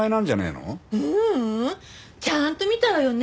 ううん！ちゃんと見たわよね